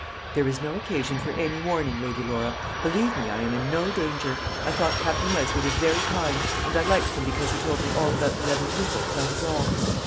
"There is no occasion for any warning, Lady Laura. Believe me, I am in no danger. I thought Captain Westleigh was very kind, and I liked him because he told me all about the other people; that is all."